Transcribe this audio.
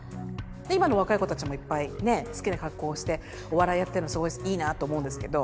で今の若い子たちもいっぱいね好きな格好してお笑いやってんのをすごいいいなと思うんですけど。